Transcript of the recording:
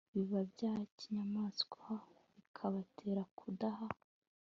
bibi bya kinyamaswa bikabatera kudaha